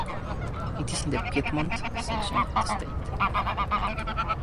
It is in the Piedmont section of the state.